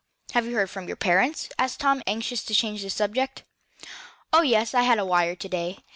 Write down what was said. "Have you heard from your parents?" asked Tom, anxious to change the subject. "Oh, yes. I had a wire to day.